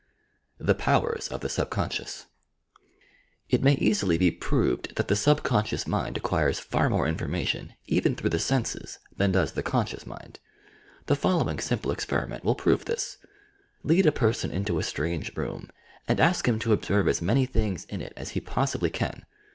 THE POWERS OP THE SUBCONSCIOUS It may easily be proved that the subconscious mind acquires far more information, even through the senses, than does the conscious mind. The following simple experiment will prove this : Lead a person into a strange room and ask him to observe as many things in it aa he possibly can.